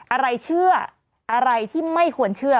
อะไรเชื่ออะไรที่ไม่ควรเชื่อ